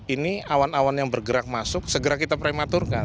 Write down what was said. ini awan awan yang bergerak masuk segera kita prematurkan